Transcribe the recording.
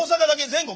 全国？